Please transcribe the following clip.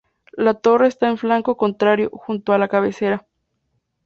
La torre está en el flanco contrario, junto a la cabecera.